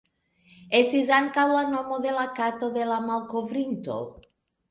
Estis ankaŭ la nomo de la kato de la malkovrinto.